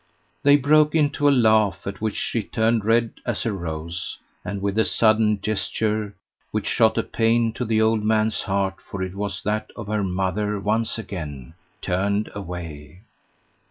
They broke into a laugh, at which she turned red as a rose, and with a sudden gesture, which shot a pain to the old man's heart, for it was that of her mother once again, turned away.